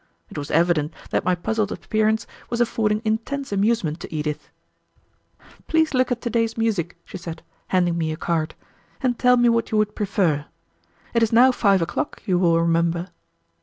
It was evident that my puzzled appearance was affording intense amusement to Edith. "Please look at to day's music," she said, handing me a card, "and tell me what you would prefer. It is now five o'clock, you will remember."